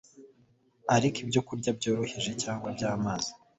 Ariko ibyokurya byoroheje cyangwa by’amazi